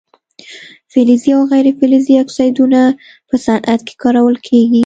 فلزي او غیر فلزي اکسایدونه په صنعت کې کارول کیږي.